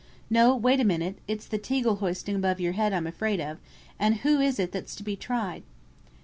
"No, wait a minute; it's the teagle hoisting above your head I'm afraid of; and who is it that's to be tried?"